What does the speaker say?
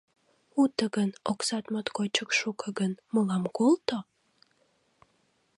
Уто гын, оксат моткочак шуко гын, мылам колто.